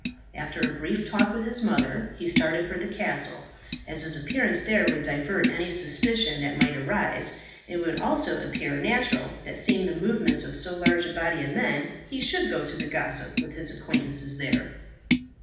After a brief talk with his mother, he started for the castle, as his appearance there would divert any suspicion that might arise; and it would also appear natural that seeing the movements of so large a body of men, he should go up to gossip with his acquaintances there.